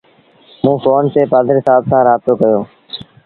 موݩ ڦون تي پآڌريٚ سآب سآݩ رآبتو ڪيو۔